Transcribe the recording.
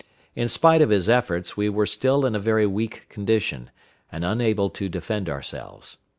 In spite of his efforts, we were still in a very weak condition, and unable to defend ourselves.